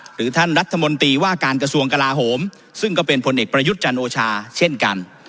ท่านรัฐมนตรีว่าการกระทรวงกลาโหมซึ่งก็เป็นผลเอกประยุทธ์จันโอชาเช่นกัน